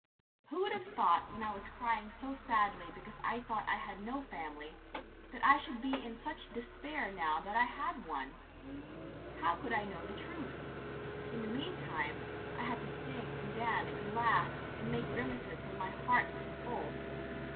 Who would have thought when I was crying so sadly because I thought I had no family that I should be in such despair now that I had one. How could I know the truth? In the meantime I had to sing and dance and laugh and make grimaces when my heart was full.